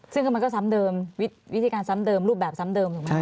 ซึ่งมันก็ซ้ำเดิมวิธีการซ้ำเดิมรูปแบบซ้ำเดิมถูกไหม